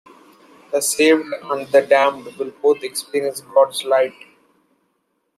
The saved and the damned will both experience God's light.